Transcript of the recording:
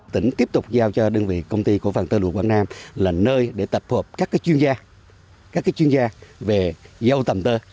tỉnh tiếp tục giao cho đơn vị công ty của phần tơ lụa quảng nam là nơi để tập hợp các chuyên gia về dâu tầm tơ